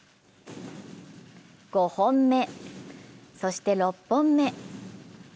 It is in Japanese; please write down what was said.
５本目、そして６本目。